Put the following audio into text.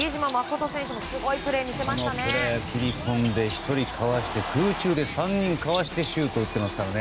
このプレー、切り込んで１人かわして空中で３人かわしてシュート打ってますから。